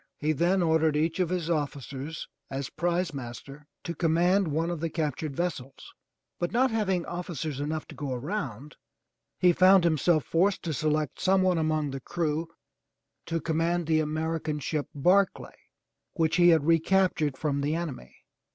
He then ordered each of his officers as prizemaster to command one of the cap tured vessels, but not having officers enough to go around, he found himself forced to select some one among the crew to com mand the American ship Barclay which he had recaptured from the enemy.